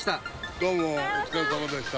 どうも、お疲れさまでした。